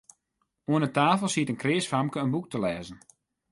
Oan 'e tafel siet in kreas famke in boek te lêzen.